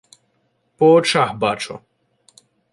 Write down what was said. По очах бачу.